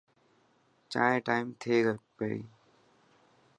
چائين ٽائم تي پي.